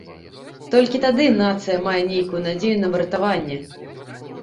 Толькі тады нацыя мае нейкую надзею на выратаванне.